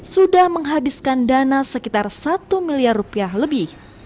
sudah menghabiskan dana sekitar satu miliar rupiah lebih